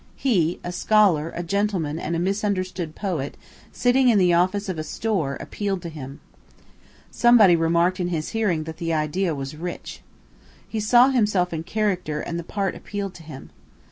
He, a scholar, a gentleman and a misunderstood poet, sitting in the office of a store, appealed to him. Somebody remarked in his hearing that the idea was "rich." He saw himself in "character" and the part appealed to him.